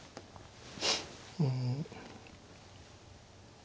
うん。